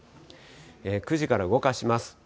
９時から動かします。